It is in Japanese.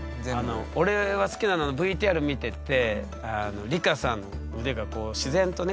俺が好きなのはＶＴＲ見てて梨花さん腕が自然とね